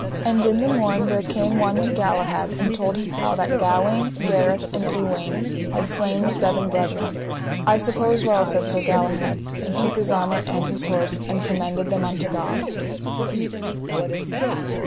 And in the morn there came one to Galahad and told him how that Gawaine, Gareth, and Uwaine, had slain the seven brethren. I suppose well, said Sir Galahad, and took his armour and his horse, and commended them unto God.